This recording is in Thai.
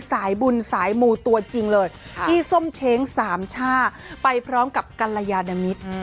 สายบุญสายมูตัวจริงเลยพี่ส้มเช้งสามช่าไปพร้อมกับกัลยานมิตร